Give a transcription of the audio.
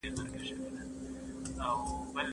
په دغو غونډو کي به د سوداګرۍ د پراختیا په اړه بحث کيده.